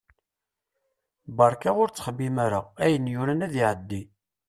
Berka ur ttxemmim ara, ayen yuran ad iɛeddi.